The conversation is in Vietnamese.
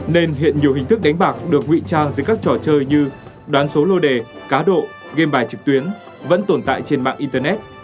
nên hiện nhiều hình thức đánh bạc được nguy trang dưới các trò chơi như đoán số lô đề cá độ game bài trực tuyến vẫn tồn tại trên mạng internet